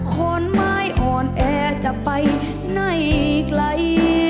ข้อนไม้อ่อนแอจะไปในกล้า